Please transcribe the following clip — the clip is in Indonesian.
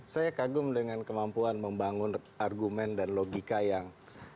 saya kagum dengan kemampuan membangun argumen dan logika yang